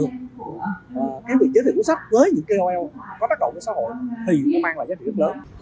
có tác động cho xã hội thì cũng mang lại giá trị rất lớn